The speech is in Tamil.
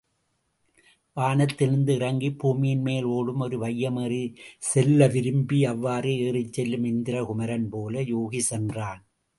வானத்திலிருந்து இறங்கிப் பூமியின்மேல் ஒடும் ஒரு வையமேறிச் செல்லவிரும்பி அவ்வாறே ஏறிச்செல்லும் இந்திரகுமரன்போல யூகி சென்றான்.